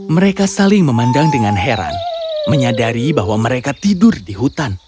mereka saling memandang dengan heran menyadari bahwa mereka tidur di hutan